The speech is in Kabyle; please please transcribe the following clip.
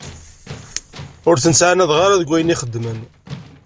Ur ten-ttɛannad ara deg wayen i xeddmen.